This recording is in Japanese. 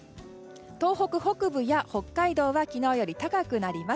東北北部や北海道は昨日より高くなります。